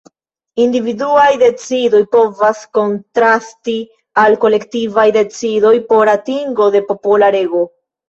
Individuaj decidoj povas kontrasti al kolektivaj decidoj por atingo de popola rego.